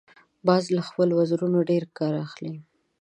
باز له خپلو وزرونو ډیر کار اخلي